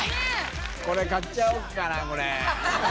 これ買っちゃおうかなこれ。